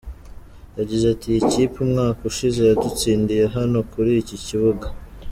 Yagize ati “Iyi kipe umwaka ushize yadutsindiye hano kuri iki kibuga.